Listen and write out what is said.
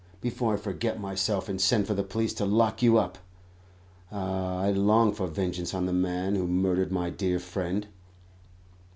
before I forget myself, and send for the police to lock you up. Ah, I long for vengeance on the man who murdered my dear friend."